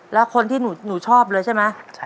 แล้วคนที่หนูชอบเลยใช่ไหม